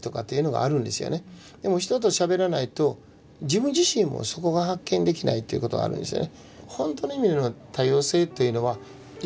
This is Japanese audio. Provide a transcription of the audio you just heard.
でも人としゃべらないと自分自身もそこが発見できないっていうことがあるんですよね。